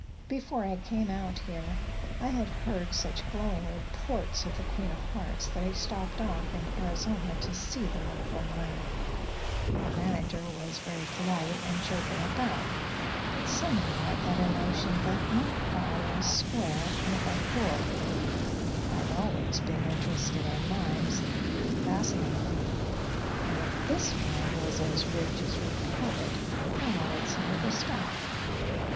Before I came out here I had heard such glowing reports of the Queen of Hearts that I stopped off in Arizona to see the wonderful mine. The manager was very polite and showed me about, but somehow I got a notion that all was not square and aboveboard. I've always been interested in mines; they fascinate me; and if this mine was as rich as reported I wanted some of the stock.